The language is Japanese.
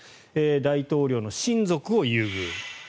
大統領の親族を優遇。